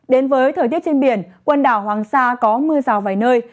đến với thời tiết trên biển quần đảo hoàng sa có mưa rào vài nơi